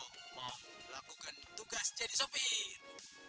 oh contohnya aku lebih baik